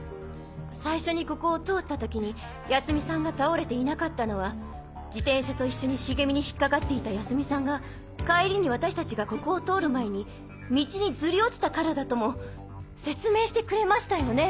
最初にここを通った時に泰美さんが倒れていなかったのは自転車と一緒に茂みに引っかかっていた泰美さんが帰りに私達がここを通る前に道にずり落ちたからだとも説明してくれましたよね？